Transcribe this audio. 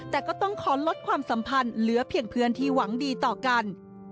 แต่ก็ต้องขอลดความสัมพันธ์เหลือเพียงเพื่อนที่หวังดีต่อกัน